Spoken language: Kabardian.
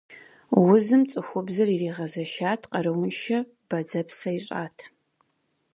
Узым цӏыхубзыр иригъэзэшат, къарууншэ, бадзэпсэ ищӏат.